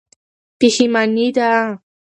پښېماني ده.